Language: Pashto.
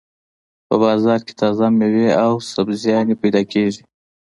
په بازار کې تازه مېوې او سبزيانې پیدا کېږي.